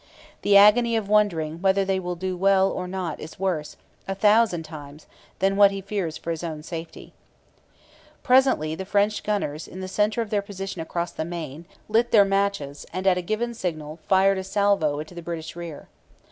The agony of wondering whether they will do well or not is worse, a thousand times, than what he fears for his own safety. Presently the French gunners, in the centre of their position across the Main, lit their matches and, at a given signal, fired a salvo into the British rear.